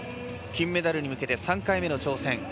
金メダルに向けて３回目の挑戦